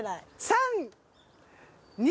３２。